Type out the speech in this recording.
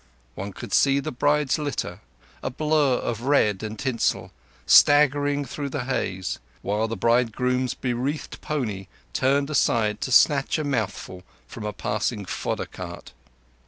One could see the bride's litter, a blur of red and tinsel, staggering through the haze, while the bridegroom's bewreathed pony turned aside to snatch a mouthful from a passing fodder cart.